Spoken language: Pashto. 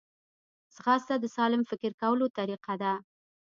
ځغاسته د سالم فکر لرلو طریقه ده